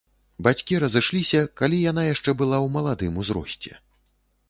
Бацькі разышліся, калі яна яшчэ была ў маладым узросце.